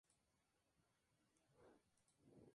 Esta erosión se produce por el efecto directo de la gravedad.